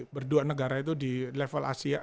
berdua negara itu di level asia